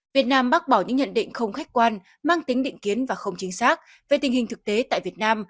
việt nam bác bỏ những nhận định không khách quan mang tính định kiến và không chính xác về tình hình thực tế tại việt nam